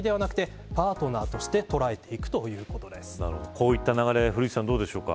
こういった流れ古市さん、どうでしょうか。